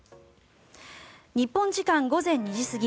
日本時間午前２時過ぎ